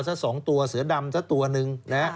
ซะ๒ตัวเสือดำซะตัวนึง